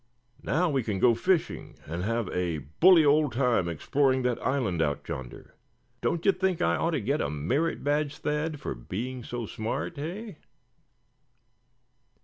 Now we c'n go fishing, and have a bully old time exploring that island out yonder. Don't you think I ought to get a merit badge, Thad, for being so smart, hey?"